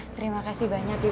terima kasih banyak ibu